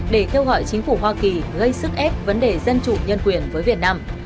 để kêu gọi chính phủ hoa kỳ gây sức ép vấn đề dân chủ nhân quyền với việt nam